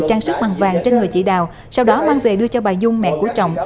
trang sức bằng vàng trên người chị đào sau đó mang về đưa cho bà dung mẹ của trọng